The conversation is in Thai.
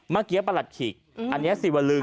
เมื่อกี้ประหลัดขีกอันนี้สิวลึง